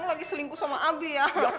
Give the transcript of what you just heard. kamu lagi selingkuh sama abi ya